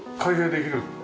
できるか。